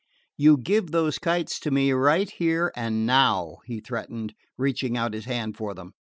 "You give those kites to me, right here and now," he threatened, reaching out his hand for them.